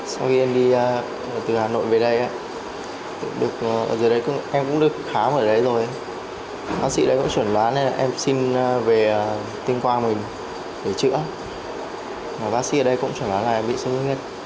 sau khi em đi từ hà nội về đây em cũng được khám ở đây rồi bác sĩ ở đây cũng chuẩn bán em xin về tuyên quang mình để chữa bác sĩ ở đây cũng chuẩn bán em bị sống dứt nhất